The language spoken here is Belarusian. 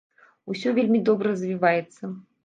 Усё вельмі добра развіваецца.